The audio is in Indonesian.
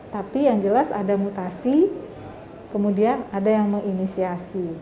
tapi yang jelas ada mutasi kemudian ada yang menginisiasi